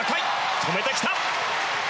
止めてきた！